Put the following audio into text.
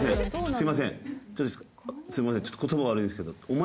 すみません。